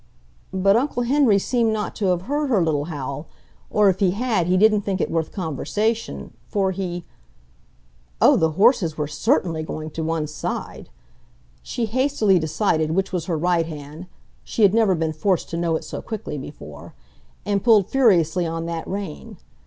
But Uncle Henry seemed not to have heard her little howl, or, if he had, didn't think it worth conversation, for he ... oh, the horses were CERTAINLY going to one side! She hastily decided which was her right hand (she had never been forced to know it so quickly before) and pulled furiously on that rein.